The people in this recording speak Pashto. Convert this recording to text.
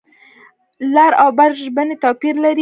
لر او بر ژبنی توپیر لري.